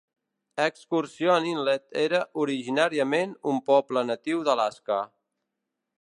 Excursion Inlet era originàriament un poble natiu d'Alaska.